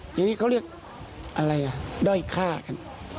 อย่างนี้เขาเรียกอะไรล่ะด้อยข้ากัน